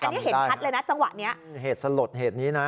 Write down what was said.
อันนี้เห็นชัดเลยนะจังหวะนี้เหตุสลดเหตุนี้นะ